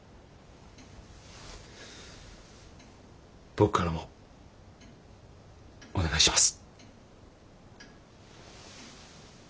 僕からもお願いします。